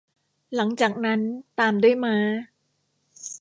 หลังจากนั้นตามด้วยม้า